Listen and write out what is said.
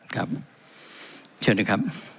ครับเชิญนะครับ